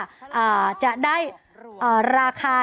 มิชุนา